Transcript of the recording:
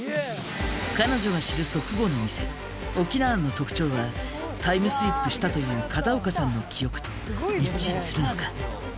彼女が知る祖父母の店翁庵の特徴はタイムスリップしたという片岡さんの記憶と一致するのか？